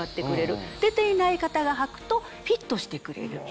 出ていない方がはくとフィットしてくれる。